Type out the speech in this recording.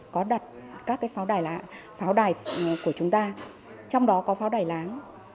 có đặt các cái pháo đài của chúng ta trong đó có pháo đài láng